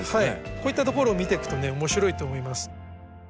こういったところを見ていくとね面白いと思います。